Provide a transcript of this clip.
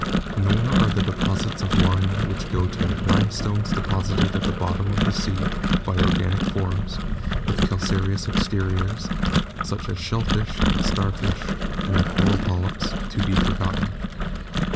Nor are the deposits of lime which go to make limestones deposited at the bottom of the sea by organic forms with calcareous exteriors, such as shellfish, star fish, and the coral polyps, to be forgotten.